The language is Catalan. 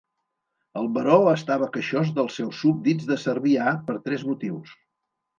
El Baró estava queixós dels seus súbdits de Cervià per tres motius.